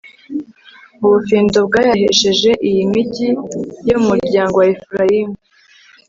ubufindo bwayahesheje iyi migi yo mu muryango wa efurayimu